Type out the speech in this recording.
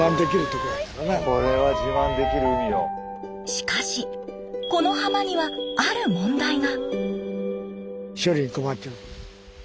しかしこの浜にはある問題が！